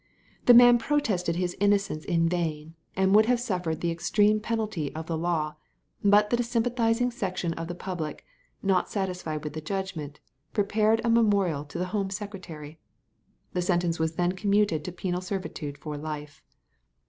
The man protested his innocence in vain, and would have suffered the extreme penalty of the law, but that a sympathizing section of the public, not satisfied with the judgment, prepared a memorial to the Home Secretary. The sentence was then commuted to penal servitude for life.